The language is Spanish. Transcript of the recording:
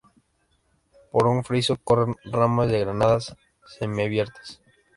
Por un friso corren ramas de granadas semiabiertas.